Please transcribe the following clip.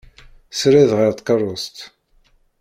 Srid ɣer tkerrust.